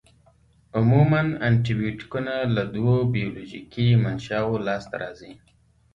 عموماً انټي بیوټیکونه له دوو بیولوژیکي منشأوو لاس ته راځي.